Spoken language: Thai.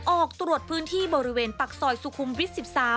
ออกตรวจพื้นที่บริเวณปากซอยสุขุมวิทย์๑๓